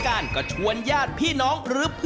เอ้ารถชวนกับเธอ